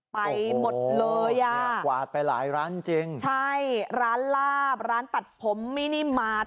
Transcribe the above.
ไปหมดเลยอ่ะกวาดไปหลายร้านจริงใช่ร้านลาบร้านตัดผมมินิมาตร